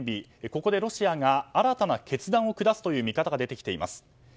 ここでロシアが新たな決断を下すという見方が出てきています。